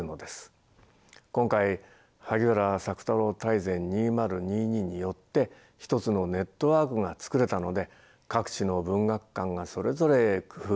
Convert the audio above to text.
今回「萩原朔太郎大全２０２２」によって一つのネットワークが作れたので各地の文学館がそれぞれ工夫してきた対策を検討